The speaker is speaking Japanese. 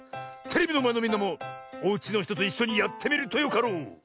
テレビのまえのみんなもおうちのひとといっしょにやってみるとよかろう。